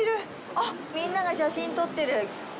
あっ、みんなが写真撮ってる。